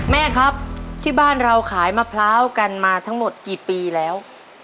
แม่ครับที่บ้านเราขายมะพร้าวกันมาทั้งหมดกี่ปีแล้ว